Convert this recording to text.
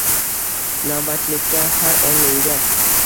Navbatchilikda har on menga